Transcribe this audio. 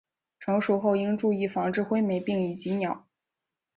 成熟后应注意防治灰霉病以及鸟。